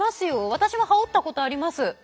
私も羽織ったことあります。